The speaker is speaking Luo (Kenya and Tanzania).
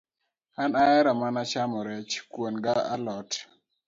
An aheri mana chamo rech, kuona ga alot